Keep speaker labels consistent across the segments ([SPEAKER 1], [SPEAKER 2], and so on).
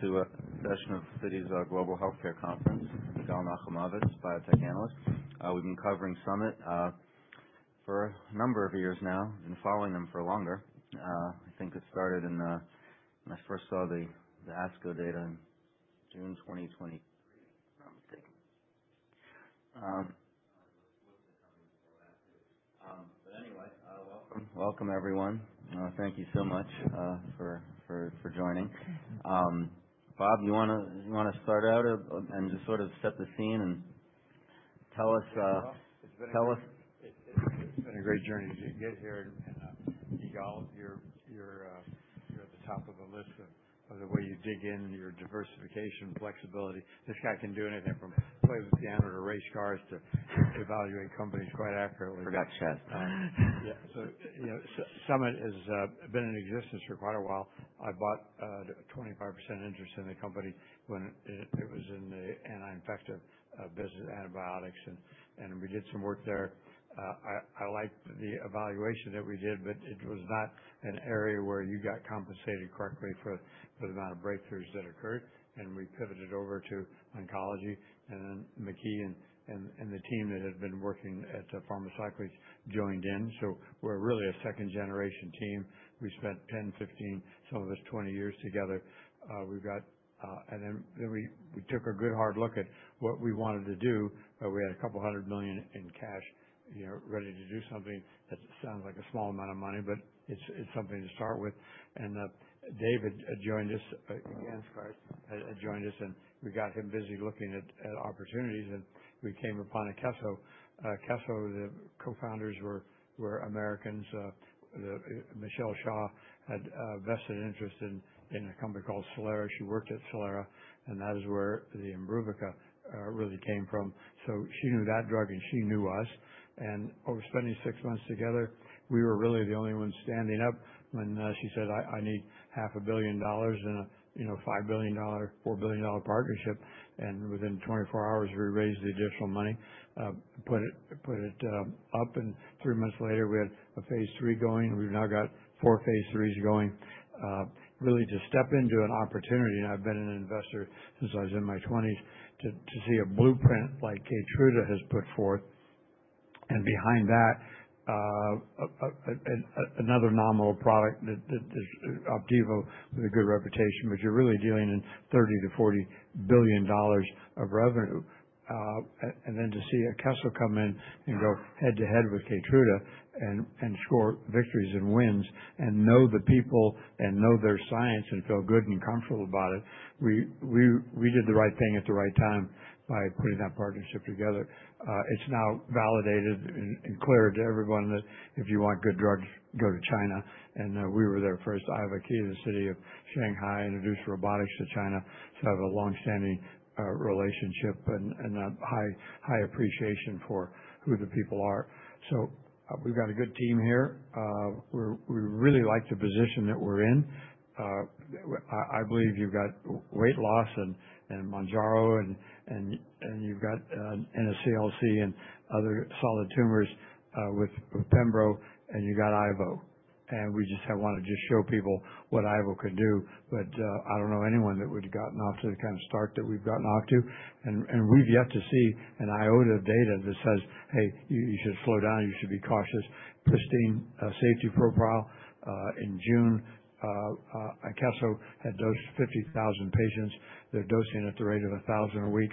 [SPEAKER 1] Welcome to a session of Citi's Global Healthcare Conference. I'm Yigal Nochomovitz, biotech analyst. We've been covering Summit for a number of years now, been following them for longer. I think it started when I first saw the ASCO data in June 2023, if I'm mistaken. I was supposed to come in before that, too. Anyway, welcome, everyone. Thank you so much for joining. Bob, do you want to start out and just sort of set the scene and tell us?
[SPEAKER 2] It's been a great journey to get here. You're at the top of the list of the way you dig in, your diversification, flexibility. This guy can do anything from playing the piano to race cars to evaluate companies quite accurately.
[SPEAKER 1] I forgot you asked that.
[SPEAKER 2] Yeah. Summit has been in existence for quite a while. I bought 25% interest in the company when it was in the anti-infective business, antibiotics, and we did some work there. I liked the evaluation that we did, but it was not an area where you got compensated correctly for the amount of breakthroughs that occurred. We pivoted over to oncology, and MaKy and the team that had been working at Pharmacyclics joined in. We are really a second-generation team. We spent 10, 15, some of us 20 years together. We took a good, hard look at what we wanted to do. We had a couple hundred million in cash ready to do something that sounds like a small amount of money, but it is something to start with. David joined us.
[SPEAKER 3] McGann's card.
[SPEAKER 2] Joined us, and we got him busy looking at opportunities. We came upon Akeso. Akeso, the co-founders, were Americans. Michelle Xia had a vested interest in a company called Celera Genomics. She worked at Celera Genomics, and that is where the Imbruvica really came from. She knew that drug, and she knew us. Over spending six months together, we were really the only ones standing up when she said, "I need $500,000,000 in a $5 billion-$4 billion partnership." Within 24 hours, we raised the additional money, put it up, and three months later, we had a phase III going. We have now got four phase III going. Really, to step into an opportunity—and I have been an investor since I was in my 20s—to see a blueprint like Keytruda has put forth. Behind that, another nominal product that is Opdivo with a good reputation, but you're really dealing in $30-$40 billion of revenue. To see Akeso come in and go head to head with Keytruda and score victories and wins and know the people and know their science and feel good and comfortable about it, we did the right thing at the right time by putting that partnership together. It's now validated and clear to everyone that if you want good drugs, go to China. We were there first. I have a key to the city of Shanghai, introduced robotics to China. I have a long-standing relationship and a high appreciation for who the people are. We've got a good team here. We really like the position that we're in. I believe you've got weight loss and Mounjaro, and you've got NSCLC and other solid tumors with Pembro, and you've got Ivo. We just want to just show people what Ivo can do. I don't know anyone that would have gotten off to the kind of start that we've gotten off to. We've yet to see an iota of data that says, "Hey, you should slow down. You should be cautious." Pristine safety profile. In June, Akeso had dosed 50,000 patients. They're dosing at the rate of 1,000 a week.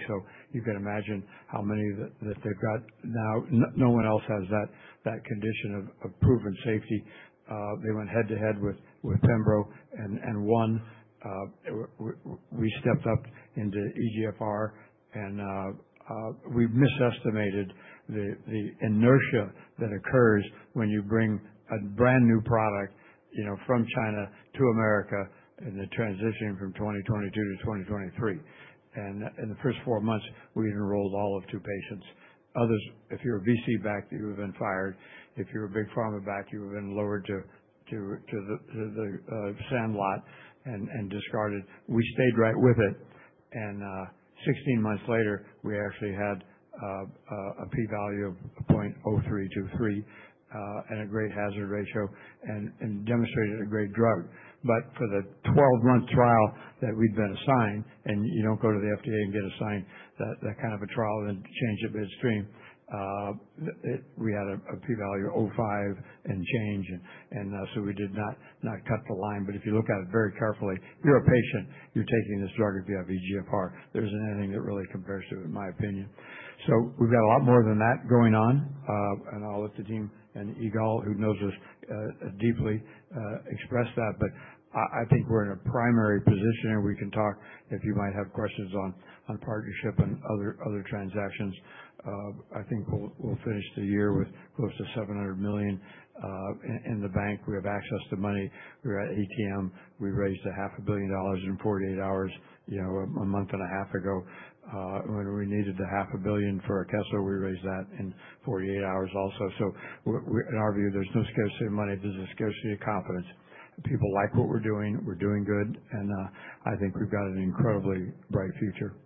[SPEAKER 2] You can imagine how many that they've got now. No one else has that condition of proven safety. They went head to head with Pembro and won. We stepped up into EGFR, and we misestimated the inertia that occurs when you bring a brand new product from China to America in the transition from 2022-2023. In the first four months, we enrolled all of two patients. Others, if you're a VC back, you would have been fired. If you're a big pharma back, you would have been lowered to the sandlot and discarded. We stayed right with it. 16-months later, we actually had a P-value of 0.0323 and a great hazard ratio and demonstrated a great drug. For the 12-month trial that we'd been assigned, and you don't go to the FDA and get assigned that kind of a trial and change it midstream, we had a P-value of 0.5 and change. We did not cut the line. If you look at it very carefully, you're a patient. You're taking this drug if you have EGFR. There isn't anything that really compares to it, in my opinion. We've got a lot more than that going on. I'll let the team and Igal, who knows us deeply, express that. I think we're in a primary position, and we can talk if you might have questions on partnership and other transactions. I think we'll finish the year with close to $700 million in the bank. We have access to money. We're at ATM. We raised $500,000,000 in 48 hours a month and a half ago. When we needed the $500,000,000 for Akeso, we raised that in 48 hours also. In our view, there's no scarcity of money. There's a scarcity of confidence. People like what we're doing. We're doing good. I think we've got an incredibly bright future.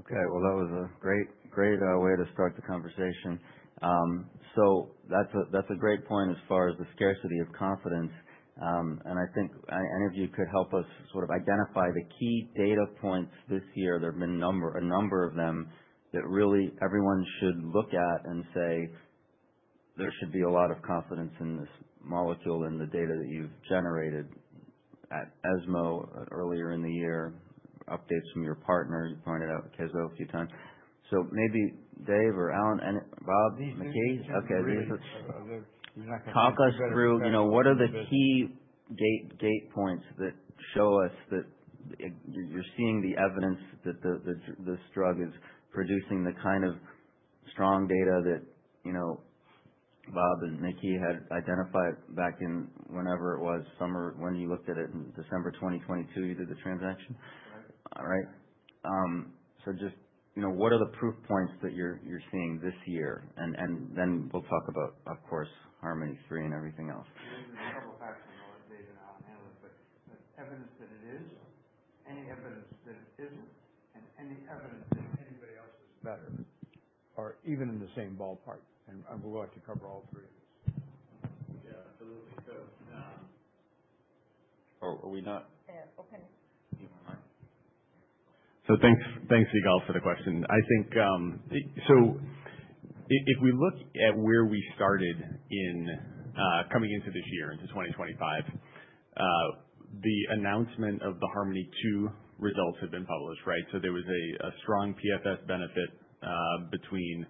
[SPEAKER 1] Okay. That was a great way to start the conversation. That's a great point as far as the scarcity of confidence. I think any of you could help us sort of identify the key data points this year. There have been a number of them that really everyone should look at and say, "There should be a lot of confidence in this molecule and the data that you've generated at ESMO earlier in the year, updates from your partner." You pointed out Akeso a few times. Maybe Dave or Allen and Bob, Maky. Talk us through what are the key data points that show us that you're seeing the evidence that this drug is producing the kind of strong data that Bob and Maky had identified back in whenever it was, when you looked at it in December 2022, you did the transaction. All right. Just what are the proof points that you're seeing this year? Then we'll talk about, of course, HARMONi-3 and everything else.
[SPEAKER 2] There's a couple of factors, David and Allen handled it, but evidence that it is, any evidence that it isn't, and any evidence that anybody else is better. Are even in the same ballpark. We'll go out to cover all three of these. Yeah, absolutely.
[SPEAKER 3] Are we not?
[SPEAKER 4] Yeah. Okay.
[SPEAKER 3] Thanks, Igal, for the question. If we look at where we started coming into this year, into 2025, the announcement of the HARMONi-2 results had been published, right? There was a strong PFS benefit between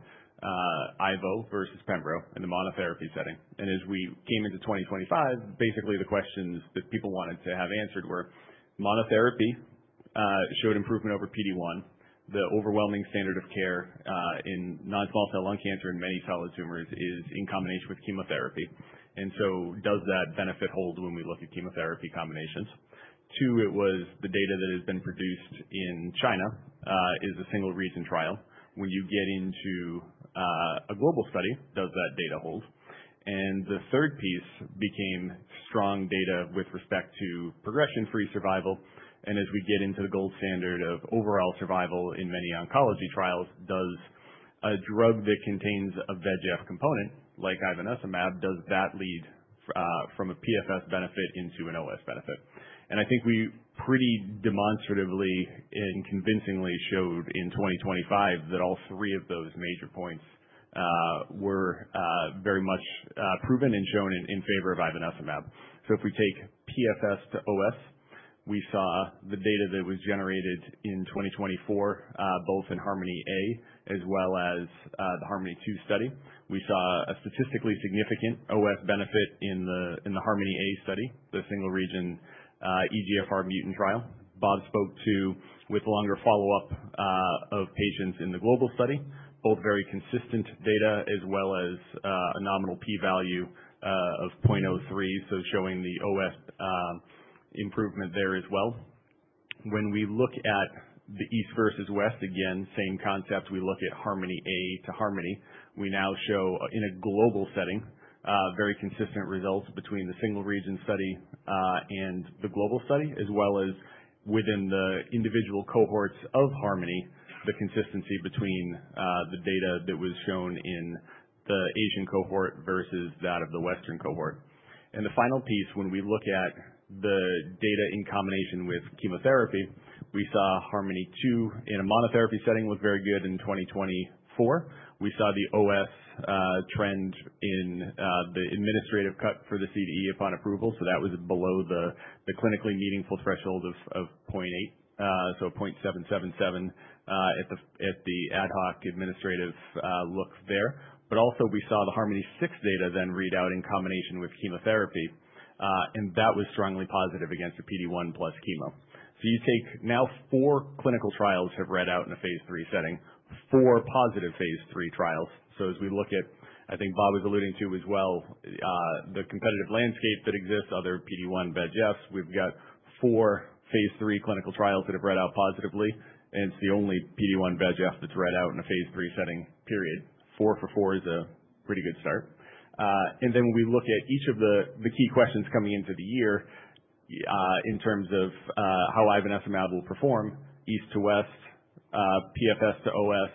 [SPEAKER 3] Ivo versus Pembro in the monotherapy setting. As we came into 2025, basically, the questions that people wanted to have answered were, monotherapy showed improvement over PD-1. The overwhelming standard of care in non-small cell lung cancer and many solid tumors is in combination with chemotherapy. Does that benefit hold when we look at chemotherapy combinations? Two, the data that has been produced in China is a single-region trial. When you get into a global study, does that data hold? The third piece became strong data with respect to progression-free survival. As we get into the gold standard of overall survival in many oncology trials, does a drug that contains a VEGF component like ivonescimab, does that lead from a PFS benefit into an OS benefit? I think we pretty demonstratively and convincingly showed in 2025 that all three of those major points were very much proven and shown in favor of ivonescimab. If we take PFS to OS, we saw the data that was generated in 2024, both in HARMONi-A as well as the HARMONi-2 study. We saw a statistically significant OS benefit in the HARMONi-A study, the single-reason EGFR mutant trial. Bob spoke to with longer follow-up of patients in the global study, both very consistent data as well as a nominal P-value of 0.03, showing the OS improvement there as well. When we look at the East versus West, again, same concept. We look at HARMONi-A to HARMONi. We now show, in a global setting, very consistent results between the single-region study and the global study, as well as within the individual cohorts of HARMONi, the consistency between the data that was shown in the Asian cohort versus that of the Western cohort. The final piece, when we look at the data in combination with chemotherapy, we saw HARMONi-2 in a monotherapy setting look very good in 2024. We saw the OS trend in the administrative cut for the CDE upon approval. That was below the clinically meaningful threshold of 0.8, so 0.777 at the ad hoc administrative look there. We also saw the HARMONi-6 data then read out in combination with chemotherapy, and that was strongly positive against the PD-1 plus chemo. You take now four clinical trials have read out in a phase III setting, four positive phase III trials. As we look at, I think Bob was alluding to as well, the competitive landscape that exists, other PD-1 VEGFs, we have four phase III clinical trials that have read out positively. It is the only PD-1 VEGF that has read out in a phase III setting, period. Four for four is a pretty good start. When we look at each of the key questions coming into the year in terms of how ivonescimab will perform, East to West, PFS to OS,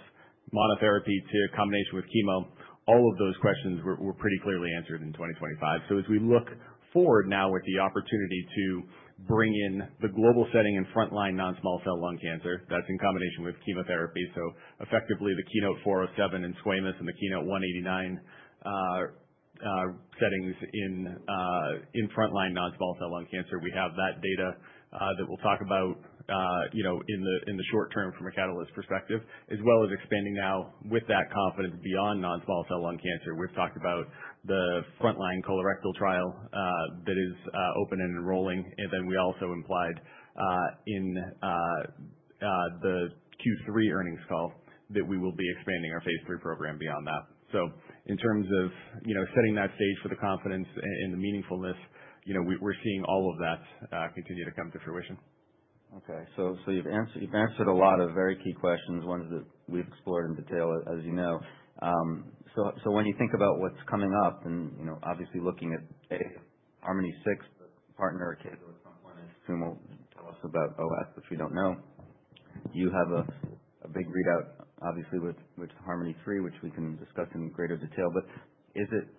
[SPEAKER 3] monotherapy to combination with chemo, all of those questions were pretty clearly answered in 2025. As we look forward now with the opportunity to bring in the global setting and frontline non-small cell lung cancer, that is in combination with chemotherapy. Effectively, the KEYNOTE-407 in squamous and the KEYNOTE-189 settings in frontline non-small cell lung cancer, we have that data that we'll talk about in the short term from a catalyst perspective, as well as expanding now with that confidence beyond non-small cell lung cancer. We've talked about the frontline colorectal trial that is open and enrolling. We also implied in the Q3 earnings call that we will be expanding our phase III program beyond that. In terms of setting that stage for the confidence and the meaningfulness, we're see+ing all of that continue to come to fruition.
[SPEAKER 1] Okay. You've answered a lot of very key questions, ones that we've explored in detail, as you know. When you think about what's coming up, and obviously looking at HARMONi-6, the partner at Akeso at some point, and soon will tell us about OS, which we don't know. You have a big readout, obviously, with HARMONi-3, which we can discuss in greater detail. Is it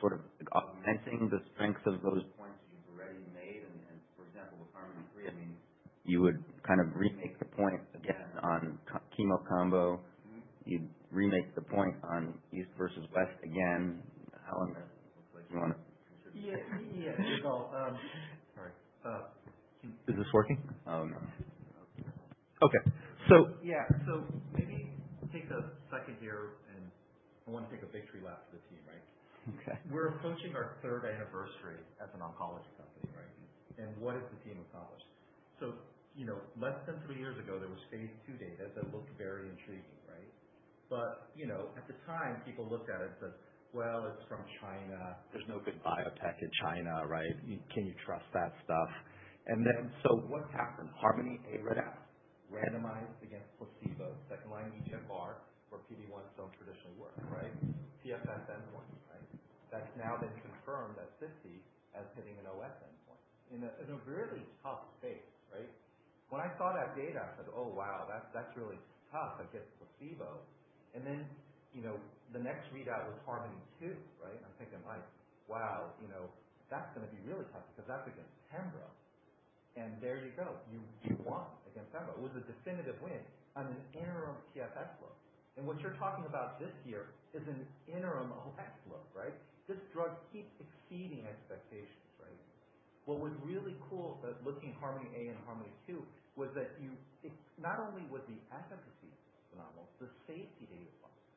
[SPEAKER 1] sort of augmenting the strength of those points you've already made? For example, with HARMONi-3, I mean, you would kind of remake the point again on chemo combo. You'd remake the point on East versus West again. Allen, you want to contribute?
[SPEAKER 5] Yeah. Sorry.
[SPEAKER 1] Is this working? Oh, no.
[SPEAKER 5] Okay. So. Yeah. Maybe take a second here, and I want to take a victory lap for the team, right?
[SPEAKER 1] Okay.
[SPEAKER 5] We're approaching our third anniversary as an oncology company, right? And what has the team accomplished? Less than three years ago, there was phase II data that looked very intriguing, right? At the time, people looked at it and said, "Well, it's from China." There's no good biotech in China, right? Can you trust that stuff? What's happened? HARMONi-A readout randomized against placebo, second-line EGFR, where PD-1s don't traditionally work, right? PFS endpoints, right? That's now been confirmed at 50 as hitting an OS endpoint in a really tough space, right? When I saw that data, I said, "Oh, wow, that's really tough against placebo." The next readout was HARMONi-2, right? I'm thinking like, "Wow, that's going to be really tough because that's against Pembro." There you go. You won against Pembro. It was a definitive win on an interim PFS look. What you're talking about this year is an interim OS look, right? This drug keeps exceeding expectations, right? What was really cool looking at HARMONi-A and HARMONi-2 was that not only was the efficacy phenomenal, the safety data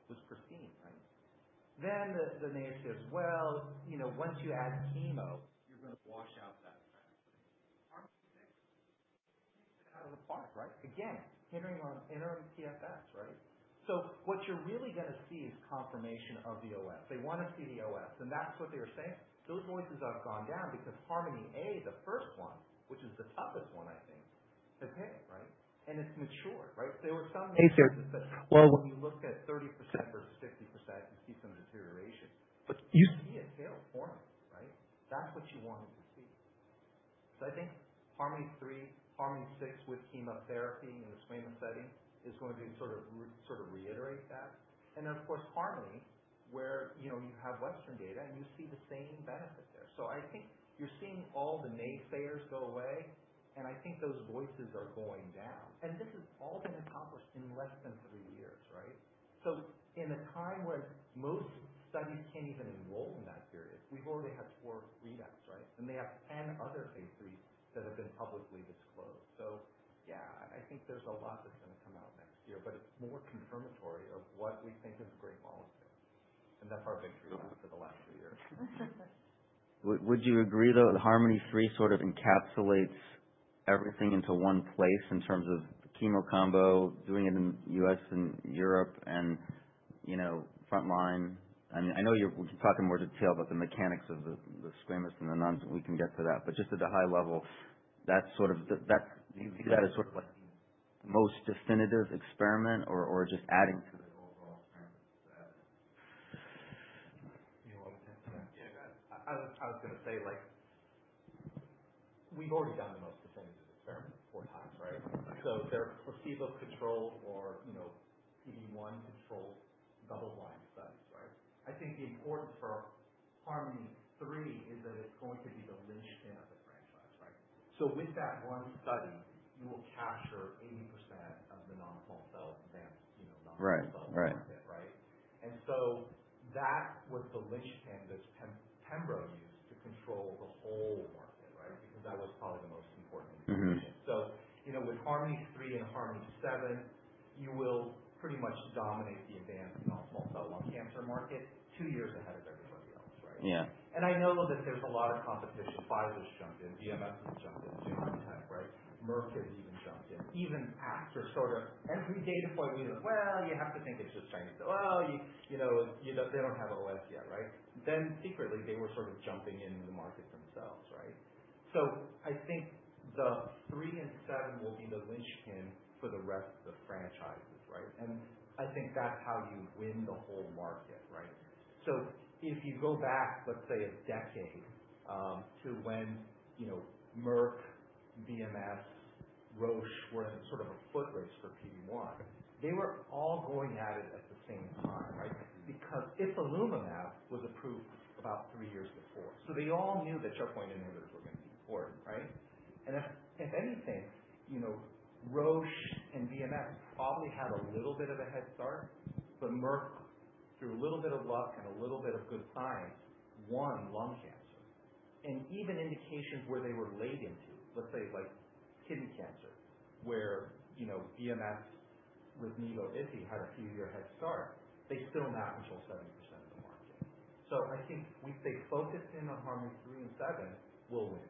[SPEAKER 5] was pristine, right? The naysayers, "Once you add chemo, you're going to wash out that effect." HARMONi-6 takes it out of the park, right? Again, hitting on interim PFS, right? What you're really going to see is confirmation of the OS. They want to see the OS. That's what they were saying. Those voices have gone down because HARMONi-A, the first one, which is the toughest one, I think, has hit, right? It's matured, right? There were some cases that, when you look at 30% versus 50%, you see some deterioration. You see a tail forming, right? That's what you wanted to see. I think HARMONi-3, HARMONi-6 with chemotherapy in the squamous setting is going to sort of reiterate that. Of course, HARMONi, where you have Western data and you see the same benefit there. I think you're seeing all the naysayers go away, and I think those voices are going down. This has all been accomplished in less than three years, right? In a time when most studies can't even enroll in that period, we've already had four readouts, right? They have 10 other phase III that have been publicly disclosed. I think there's a lot that's going to come out next year, but it's more confirmatory of what we think is a great molecule. That's our victory lap for the last three years.
[SPEAKER 1] Would you agree, though, that HARMONi-3 sort of encapsulates everything into one place in terms of chemo combo, doing it in the U.S. and Europe and frontline? I mean, I know we can talk in more detail about the mechanics of the squamous and the nons. We can get to that. Just at a high level, do you view that as sort of the most definitive experiment or just adding to the overall strength of the evidence?
[SPEAKER 3] You want to take that?
[SPEAKER 5] Yeah, go ahead. I was going to say, we've already done the most definitive experiment four times, right? There are placebo-controlled or PD-1-controlled double-blind studies, right? I think the importance for HARMONi-3 is that it's going to be the lynchpin of the franchise, right? With that one study, you will capture 80% of the advanced non-small cell market, right? That was the lynchpin that Pembro used to control the whole market, right? That was probably the most important information. With HARMONi-3 and HARMONi-7, you will pretty much dominate the advanced non-small cell lung cancer market two years ahead of everybody else, right?
[SPEAKER 1] Yeah.
[SPEAKER 5] I know that there's a lot of competition. Pfizer's jumped in. BMS has jumped in too, high tech, right? Merck has even jumped in. Even after sort of every data point, we said, "Well, you have to think it's just Chinese too." They don't have OS yet, right? Secretly, they were sort of jumping into the market themselves, right? I think the three and seven will be the lynchpin for the rest of the franchises, right? I think that's how you win the whole market, right? If you go back, let's say, a decade to when Merck, BMS, Roche were in sort of a footrace for PD-1, they were all going at it at the same time, right? Ipilimumab was approved about three years before. They all knew that checkpoint inhibitors were going to be important, right? If anything, Roche and BMS probably had a little bit of a head start, but Merck, through a little bit of luck and a little bit of good science, won lung cancer. Even indications where they were late into, let's say, kidney cancer, where BMS with Nivo-IPI had a few-year head start, they still now control 70% of the market. I think if they focus in on HARMONi-3 and HARMONi-7, we'll win.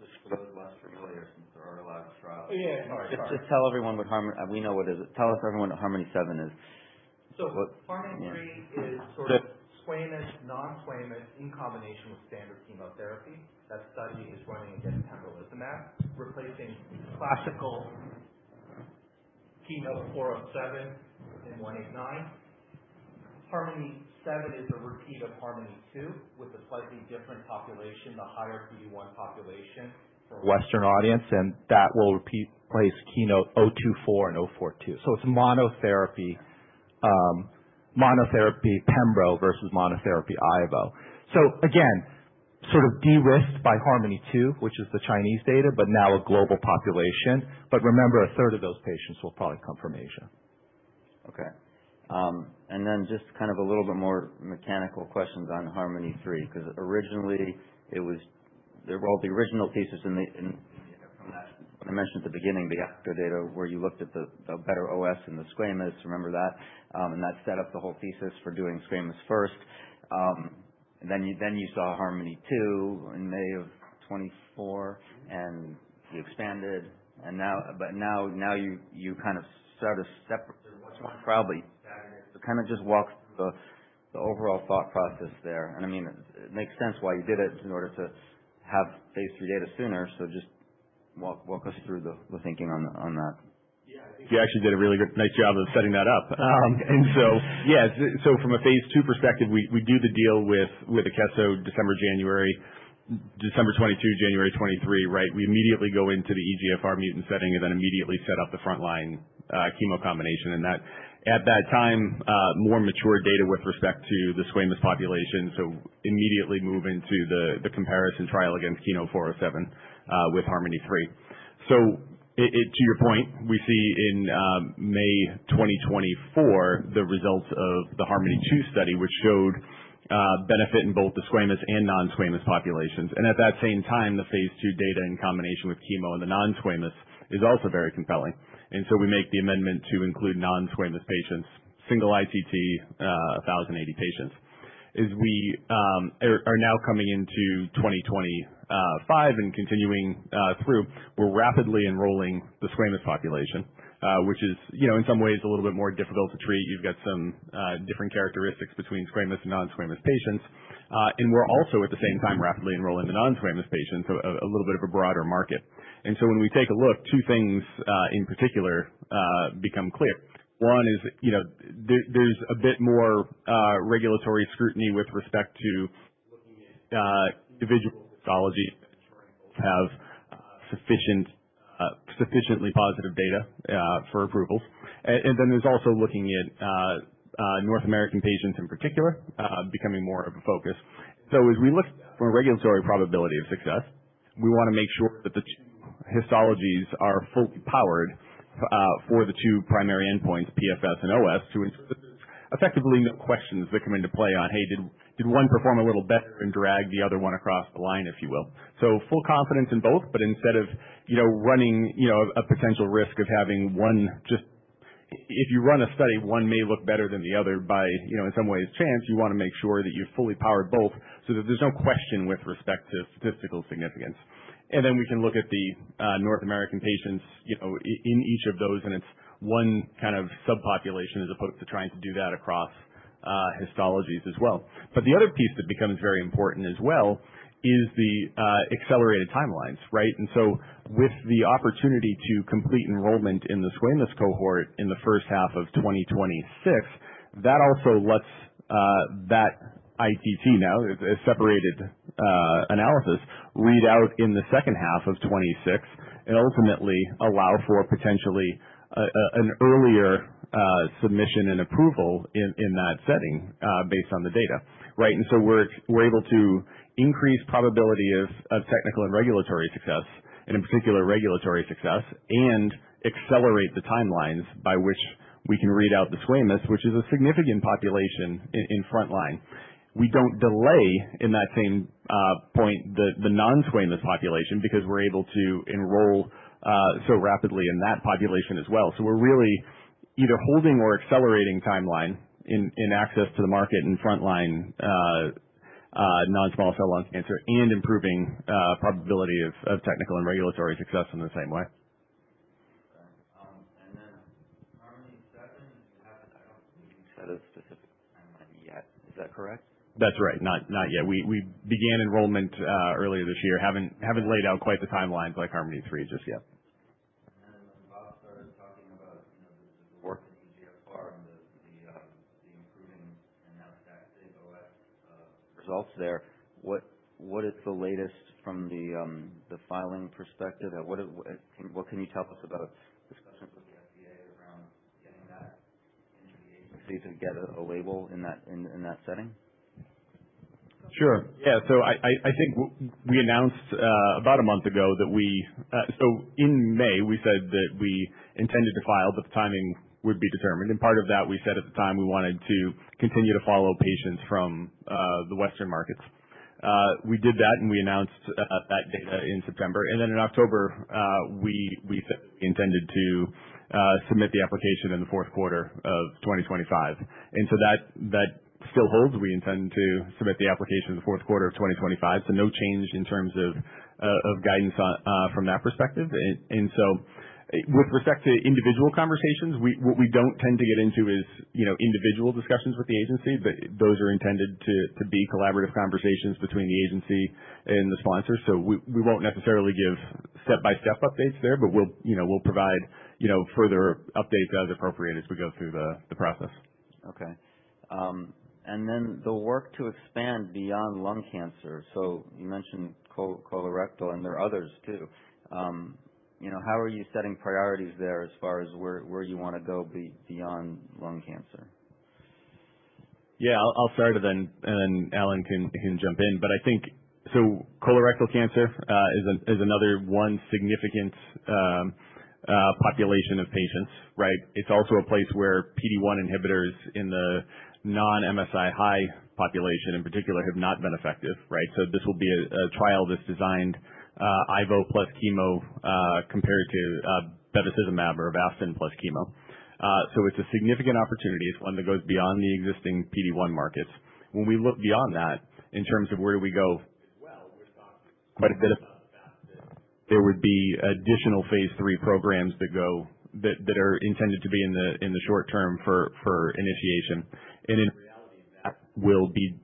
[SPEAKER 1] Just for those less familiar, since there aren't a lot of trials—
[SPEAKER 5] Yeah.
[SPEAKER 1] Sorry. Just tell everyone what HARMONi—we know what it is. Tell everyone what HARMONi-7 is.
[SPEAKER 5] HARMONi-3 is sort of squamous, non-squamous in combination with standard chemotherapy. That study is running against pembrolizumab, replacing classical chemo 407 and 189. HARMONi-7 is a repeat of HARMONi-2 with a slightly different population, the higher PD-1 population for. Western audience, and that will replace chemo 024 and 042. It is monotherapy Pembro versus monotherapy Ivo. Again, sort of de-risked by HARMONi-2, which is the Chinese data, but now a global population. Remember, a third of those patients will probably come from Asia.
[SPEAKER 1] Okay. Then just kind of a little bit more mechanical questions on HARMONi-3, because originally it was—the original thesis from that I mentioned at the beginning, the after data where you looked at the better OS and the squamous, remember that? That set up the whole thesis for doing squamous first. Then you saw HARMONi-2 in May of 2024, and you expanded. Now you kind of start a separate—
[SPEAKER 5] Which one?
[SPEAKER 1] Probably.
[SPEAKER 5] Saturday.
[SPEAKER 1] Kind of just walk through the overall thought process there. I mean, it makes sense why you did it in order to have phase III data sooner. Just walk us through the thinking on that.
[SPEAKER 3] Yeah. I think. You actually did a really nice job of setting that up. Yeah. From a phase II perspective, we do the deal with Akeso December, January, December 2022, January 2023, right? We immediately go into the EGFR mutant setting and then immediately set up the frontline chemo combination. At that time, more mature data with respect to the squamous population. Immediately move into the comparison trial against chemo 407 with HARMONi-3. To your point, we see in May 2024 the results of the HARMONi-2 study, which showed benefit in both the squamous and non-squamous populations. At that same time, the phase II data in combination with chemo and the non-squamous is also very compelling. We make the amendment to include non-squamous patients, single ICT, 1,080 patients. As we are now coming into 2025 and continuing through, we're rapidly enrolling the squamous population, which is in some ways a little bit more difficult to treat. You've got some different characteristics between squamous and non-squamous patients. We're also at the same time rapidly enrolling the non-squamous patients, a little bit of a broader market. When we take a look, two things in particular become clear. One is there's a bit more regulatory scrutiny with respect to individual pathology have sufficiently positive data for approvals. There's also looking at North American patients in particular becoming more of a focus. As we look at that from a regulatory probability of success, we want to make sure that the two histologies are fully powered for the two primary endpoints, PFS and OS, to ensure that there's effectively no questions that come into play on, "Hey, did one perform a little better and drag the other one across the line," if you will. Full confidence in both, but instead of running a potential risk of having one just—if you run a study, one may look better than the other by, in some ways, chance, you want to make sure that you've fully powered both so that there's no question with respect to statistical significance. We can look at the North American patients in each of those, and it's one kind of subpopulation as opposed to trying to do that across histologies as well. The other piece that becomes very important as well is the accelerated timelines, right? With the opportunity to complete enrollment in the squamous cohort in the first half of 2026, that also lets that ICT now, a separated analysis, read out in the second half of 2026 and ultimately allow for potentially an earlier submission and approval in that setting based on the data, right? We are able to increase probability of technical and regulatory success, and in particular, regulatory success, and accelerate the timelines by which we can read out the squamous, which is a significant population in frontline. We do not delay in that same point the non-squamous population because we are able to enroll so rapidly in that population as well. We're really either holding or accelerating timeline in access to the market in frontline non-small cell lung cancer and improving probability of technical and regulatory success in the same way.
[SPEAKER 1] Okay. HARMONi-7, you haven't set a specific timeline yet. Is that correct?
[SPEAKER 3] That's right. Not yet. We began enrollment earlier this year, haven't laid out quite the timelines like HARMONi-3 just yet.
[SPEAKER 1] When Bob started talking about the work in EGFR and the improving and now stacked big OS results there, what is the latest from the filing perspective? What can you tell us about discussions with the FDA around getting that into the ACC to get a label in that setting?
[SPEAKER 3] Sure. Yeah. I think we announced about a month ago that we—in May, we said that we intended to file, but the timing would be determined. Part of that, we said at the time we wanted to continue to follow patients from the Western markets. We did that, and we announced that data in September. In October, we said we intended to submit the application in the fourth quarter of 2025. That still holds. We intend to submit the application in the fourth quarter of 2025. No change in terms of guidance from that perspective. With respect to individual conversations, what we do not tend to get into is individual discussions with the agency, but those are intended to be collaborative conversations between the agency and the sponsor. We won't necessarily give step-by-step updates there, but we'll provide further updates as appropriate as we go through the process.
[SPEAKER 1] Okay. And the work to expand beyond lung cancer. You mentioned colorectal, and there are others too. How are you setting priorities there as far as where you want to go beyond lung cancer?
[SPEAKER 3] Yeah. I'll start, and then Allen can jump in. I think colorectal cancer is another one significant population of patients, right? It's also a place where PD-1 inhibitors in the non-MSI high population in particular have not been effective, right? This will be a trial that's designed Ivo plus chemo compared to bevacizumab or Avastin plus chemo. It's a significant opportunity. It's one that goes beyond the existing PD-1 markets. When we look beyond that in terms of where do we go as well, we're talking quite a bit about the fact that there would be additional phase III programs that are intended to be in the short term for initiation. In reality, that will be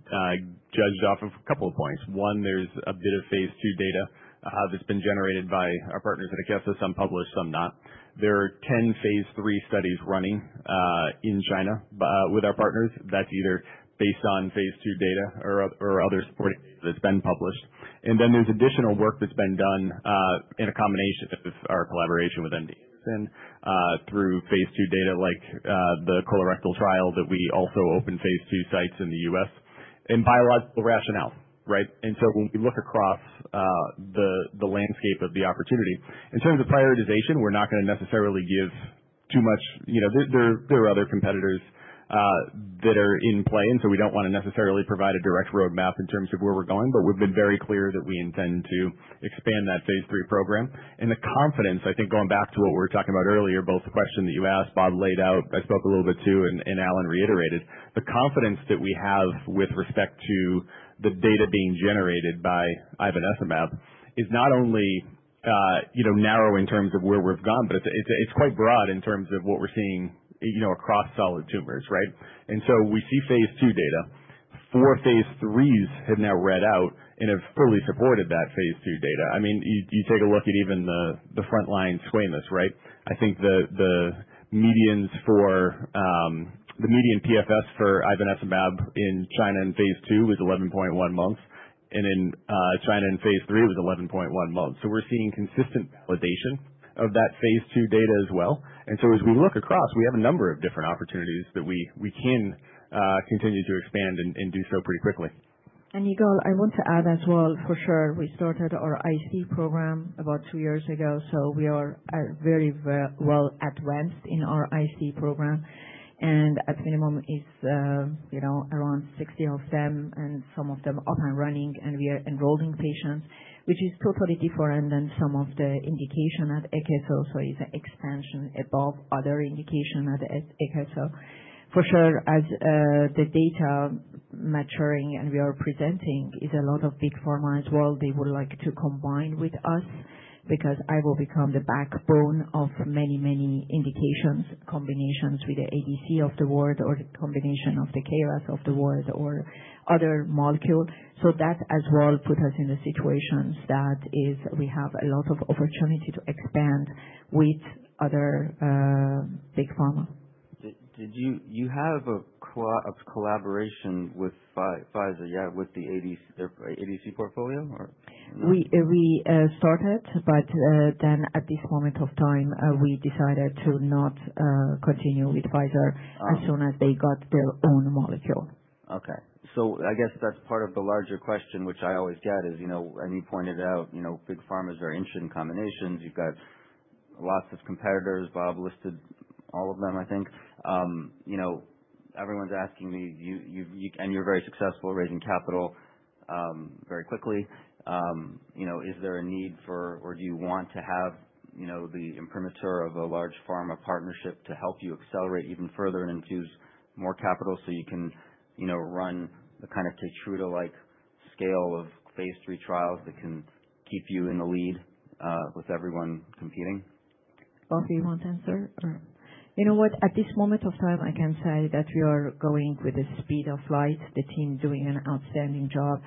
[SPEAKER 3] judged off of a couple of points. One, there's a bit of phase II data that's been generated by our partners at Akeso, some published, some not. There are 10 phase III studies running in China with our partners. That's either based on phase II data or other supporting data that's been published. There is additional work that's been done in a combination of our collaboration with MD Anderson through phase II data like the colorectal trial that we also open phase II sites in the U.S. and biological rationale, right? When we look across the landscape of the opportunity, in terms of prioritization, we're not going to necessarily give too much. There are other competitors that are in play, and we don't want to necessarily provide a direct roadmap in terms of where we're going. We've been very clear that we intend to expand that phase III program. The confidence, I think going back to what we were talking about earlier, both the question that you asked, Bob laid out, I spoke a little bit to, and Allen reiterated, the confidence that we have with respect to the data being generated by ivonescimab is not only narrow in terms of where we've gone, but it's quite broad in terms of what we're seeing across solid tumors, right? We see phase II data. Four phase IIIs have now read out and have fully supported that phase II data. I mean, you take a look at even the frontline squamous, right? I think the median PFS for ivonescimab in China in phase II was 11.1 months, and in China in phase III, it was 11.1 months. We are seeing consistent validation of that phase II data as well. As we look across, we have a number of different opportunities that we can continue to expand and do so pretty quickly.
[SPEAKER 4] Yigal, I want to add as well, for sure, we started our IC program about two years ago. We are very well advanced in our IC program. At minimum, it's around 60 of them, and some of them up and running, and we are enrolling patients, which is totally different than some of the indication at Akeso. It's an expansion above other indication at Akeso. For sure, as the data maturing and we are presenting is a lot of big pharma as well, they would like to combine with us because Ivo will become the backbone of many, many indications, combinations with the ADC of the world or the combination of the KRS of the world or other molecules. That as well put us in the situations that we have a lot of opportunity to expand with other big pharma.
[SPEAKER 1] Did you have a collaboration with Pfizer, yeah, with the ADC portfolio or no?
[SPEAKER 4] We started, but then at this moment of time, we decided to not continue with Pfizer as soon as they got their own molecule.
[SPEAKER 1] Okay. I guess that's part of the larger question, which I always get is, and you pointed out, big pharmas are interested in combinations. You've got lots of competitors. Bob listed all of them, I think. Everyone's asking me, and you're very successful raising capital very quickly. Is there a need for, or do you want to have the imprimatur of a large pharma partnership to help you accelerate even further and infuse more capital so you can run the kind of Keytruda-like scale of phase III trials that can keep you in the lead with everyone competing?
[SPEAKER 4] Bob, do you want to answer? You know what? At this moment of time, I can say that we are going with the speed of light. The team is doing an outstanding job.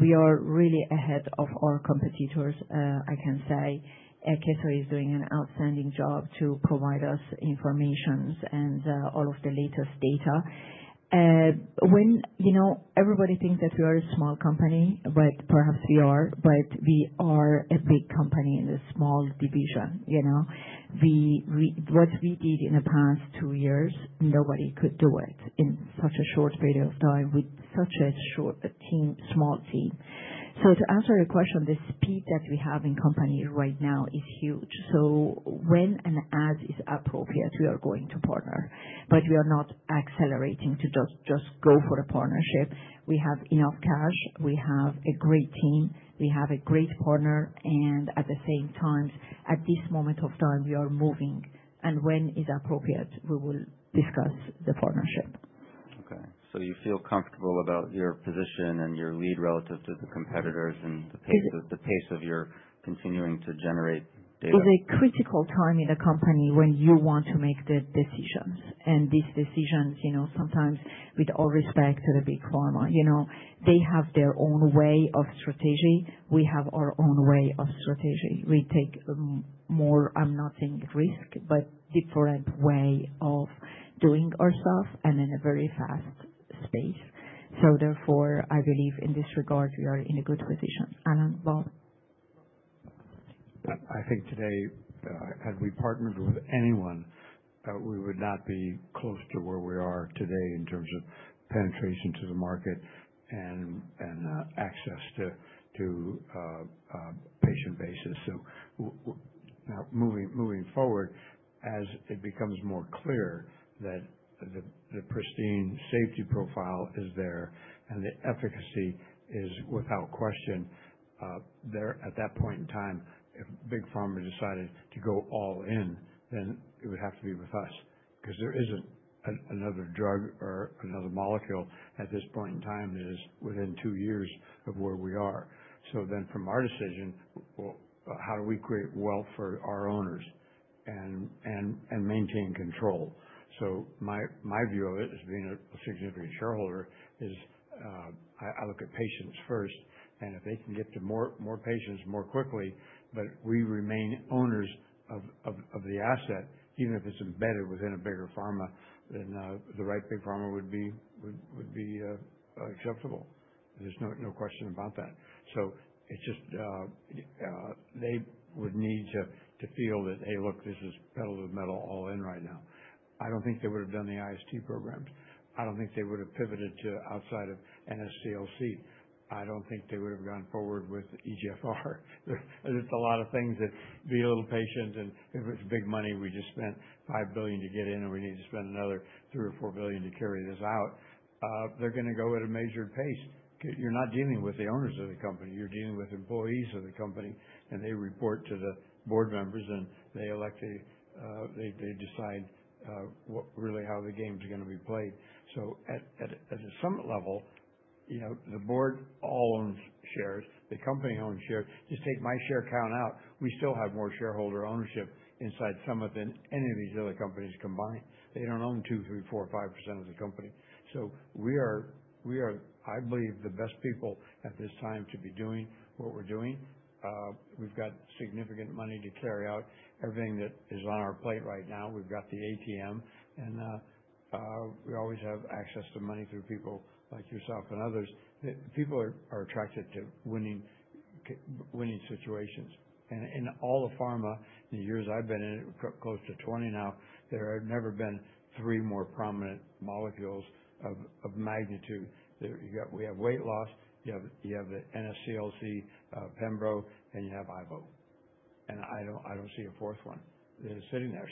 [SPEAKER 4] We are really ahead of our competitors. I can say Akeso is doing an outstanding job to provide us information and all of the latest data. Everybody thinks that we are a small company, but perhaps we are, but we are a big company in the small division. What we did in the past two-years, nobody could do it in such a short period of time with such a small team. To answer your question, the speed that we have in company right now is huge. When and as is appropriate, we are going to partner, but we are not accelerating to just go for the partnership. We have enough cash. We have a great team. We have a great partner. At the same time, at this moment of time, we are moving. When it's appropriate, we will discuss the partnership.
[SPEAKER 1] Okay. So you feel comfortable about your position and your lead relative to the competitors and the pace of your continuing to generate data?
[SPEAKER 4] It's a critical time in the company when you want to make the decisions. These decisions, sometimes with all respect to the big pharma, they have their own way of strategy. We have our own way of strategy. We take more, I'm not saying risk, but different way of doing our stuff and in a very fast pace. Therefore, I believe in this regard, we are in a good position. Allen, Bob?
[SPEAKER 2] I think today, had we partnered with anyone, we would not be close to where we are today in terms of penetration to the market and access to patient basis. Now moving forward, as it becomes more clear that the pristine safety profile is there and the efficacy is without question, at that point in time, if big pharma decided to go all in, then it would have to be with us because there isn't another drug or another molecule at this point in time that is within two years of where we are. From our decision, how do we create wealth for our owners and maintain control? My view of it as being a significant shareholder is I look at patients first, and if they can get to more patients more quickly, but we remain owners of the asset, even if it's embedded within a bigger pharma, then the right big pharma would be acceptable. There's no question about that. They would need to feel that, hey, look, this is pedal to the metal all in right now. I don't think they would have done the IST programs. I don't think they would have pivoted to outside of NSCLC. I don't think they would have gone forward with EGFR. There's a lot of things that be a little patient, and if it's big money, we just spent $5 billion to get in, and we need to spend another $3 billion-$4 billion to carry this out. They're going to go at a measured pace. You're not dealing with the owners of the company. You're dealing with employees of the company, and they report to the board members, and they decide really how the game is going to be played. At a Summit level, the board all owns shares. The company owns shares. Just take my share count out. We still have more shareholder ownership inside Summit than any of these other companies combined. They don't own 2%, 3%, 4%, 5% of the company. We are, I believe, the best people at this time to be doing what we're doing. We've got significant money to carry out everything that is on our plate right now. We've got the ATM, and we always have access to money through people like yourself and others. People are attracted to winning situations. In all the pharma in the years I've been in, close to 20 now, there have never been three more prominent molecules of magnitude. We have weight loss. You have the NSCLC, Pembro, and you have Ivo. I don't see a fourth one sitting there.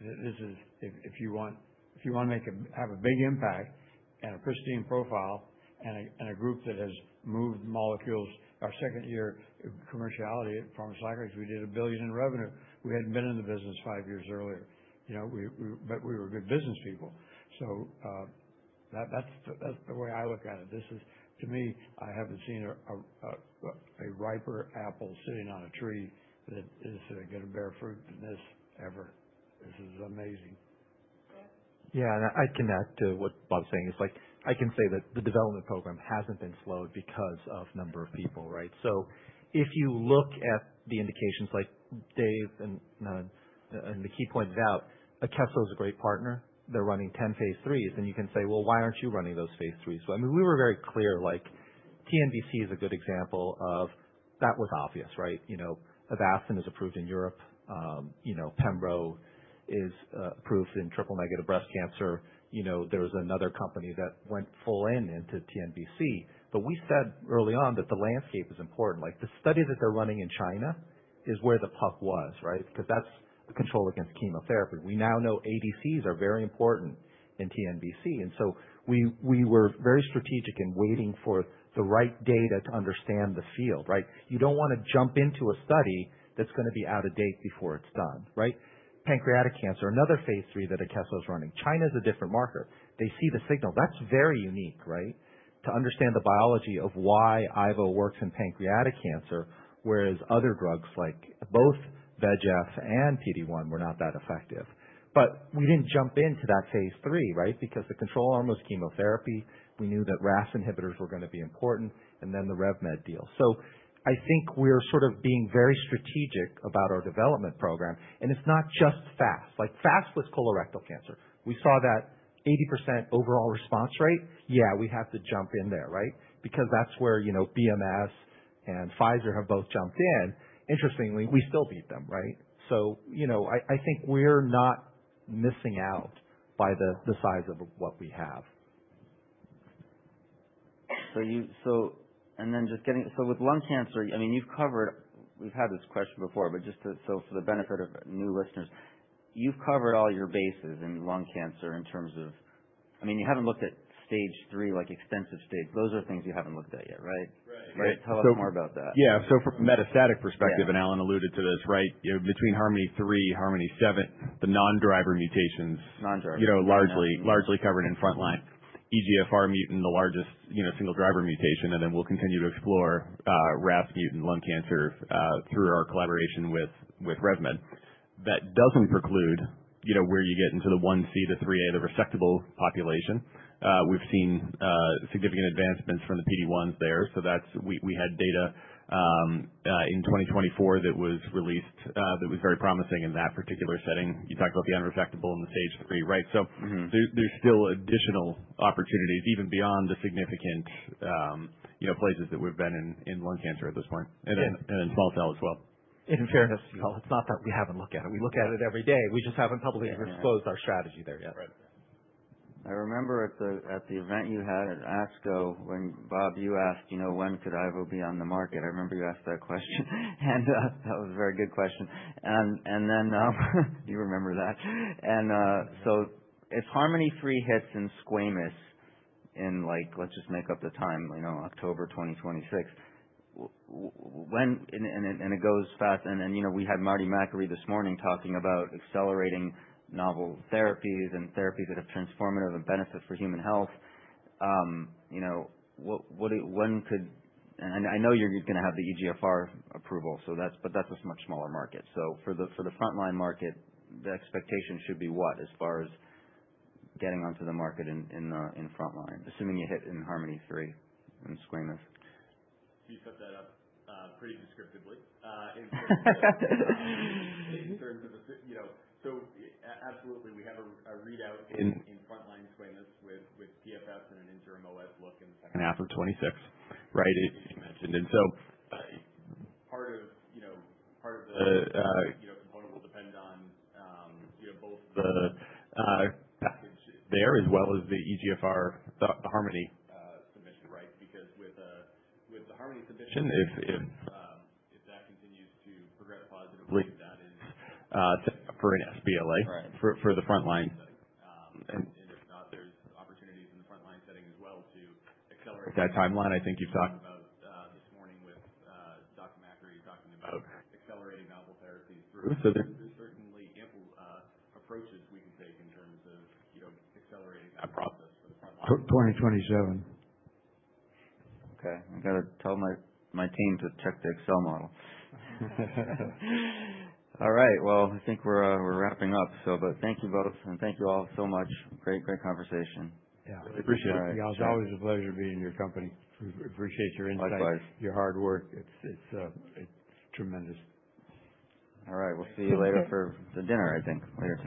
[SPEAKER 2] If you want to have a big impact and a pristine profile and a group that has moved molecules, our second year commerciality at Pharmacyclics, we did a billion in revenue. We hadn't been in the business five years earlier, but we were good business people. That's the way I look at it. To me, I haven't seen a riper apple sitting on a tree that is going to bear fruit than this ever. This is amazing.
[SPEAKER 5] Yeah. I connect to what Bob is saying. It's like I can say that the development program hasn't been slowed because of number of people, right? If you look at the indications like Dave and the key point is out, Akeso is a great partner. They're running 10 phase IIIs, and you can say, well, why aren't you running those phase IIIs? I mean, we were very clear. TNBC is a good example of that was obvious, right? Avastin is approved in Europe. Pembro is approved in triple negative breast cancer. There was another company that went full in into TNBC. We said early on that the landscape is important. The study that they're running in China is where the puck was, right? That's the control against chemotherapy. We now know ADCs are very important in TNBC. We were very strategic in waiting for the right data to understand the field, right? You do not want to jump into a study that is going to be out of date before it is done, right? Pancreatic cancer, another phase III that Akeso is running. China is a different marker. They see the signal. That is very unique, right? To understand the biology of why Ivo works in pancreatic cancer, whereas other drugs like both VEGF and PD-1 were not that effective. We did not jump into that phase III, right? Because the control arm was chemotherapy. We knew that RAS inhibitors were going to be important, and then the Revmed deal. I think we are sort of being very strategic about our development program. It is not just FAST. FAST was colorectal cancer. We saw that 80% overall response rate. Yeah, we have to jump in there, right? Because that's where BMS and Pfizer have both jumped in. Interestingly, we still beat them, right? I think we're not missing out by the size of what we have.
[SPEAKER 1] Just getting so with lung cancer, I mean, you've covered we've had this question before, but just so for the benefit of new listeners, you've covered all your bases in lung cancer in terms of I mean, you haven't looked at stage three, like extensive stage. Those are things you haven't looked at yet, right?
[SPEAKER 3] Right.
[SPEAKER 1] Tell us more about that.
[SPEAKER 3] Yeah. From a metastatic perspective, and Allen alluded to this, right? Between HARMONi-3, HARMONi-7, the non-driver mutations largely covered in frontline. EGFR mutant, the largest single driver mutation, and then we'll continue to explore RAS mutant lung cancer through our collaboration with Revolution Medicines. That does not preclude where you get into the 1C to 3A, the resectable population. We have seen significant advancements from the PD-1s there. We had data in 2024 that was released that was very promising in that particular setting. You talked about the unresectable and the stage three, right? There are still additional opportunities even beyond the significant places that we have been in lung cancer at this point and in small cell as well. In fairness, it is not that we have not looked at it. We look at it every day. We just have not publicly disclosed our strategy there yet.
[SPEAKER 1] I remember at the event you had at ASCO, Bob, you asked, "When could Ivo be on the market?" I remember you asked that question. That was a very good question. You remember that. If HARMONi-3 hits in squamous in, let's just make up the time, October 2026, and it goes fast, and we had Marty Makary this morning talking about accelerating novel therapies and therapies that have transformative benefits for human health, when could, and I know you're going to have the EGFR approval, but that's a much smaller market. For the frontline market, the expectation should be what as far as getting onto the market in frontline, assuming you hit in HARMONi-3 in squamous?
[SPEAKER 3] You set that up pretty descriptively in terms of the so absolutely, we have a readout in frontline squamous with PFS and an interim OS look in the second. After 26, right? Part of the component will depend on both the package there as well as the EGFR, the HARMONi submission, right? Because with the HARMONi submission, if that continues to progress positively, that is for an sBLA for the frontline. If not, there are opportunities in the frontline setting as well to accelerate that timeline. I think you talked about this morning with Dr. Makary talking about accelerating novel therapies through. There are certainly ample approaches we can take in terms of accelerating that process for the frontline. 2027.
[SPEAKER 1] Okay. I got to tell my team to check the Excel model. All right. I think we're wrapping up. Thank you both, and thank you all so much. Great conversation.
[SPEAKER 3] Yeah. I appreciate it. It's always a pleasure being in your company. Appreciate your insight, your hard work. It's tremendous.
[SPEAKER 1] All right. We'll see you later for the dinner, I think, later.